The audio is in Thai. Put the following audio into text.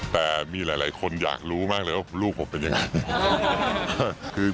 แต่มีหลายคนอยากรู้มากเลยว่าลูกผมเป็นยังไง